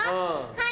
はい！